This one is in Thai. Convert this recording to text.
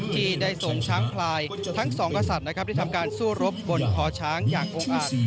ที่ได้ส่งช้างพลายทั้งสองฮัศจรรย์ที่ทำการสู้รบบนพอช้างอย่างโฮฮาส